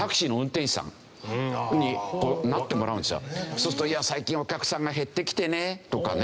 そうすると最近お客さんが減ってきてねとかね。